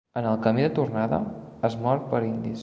En el camí de tornada, és mort per indis.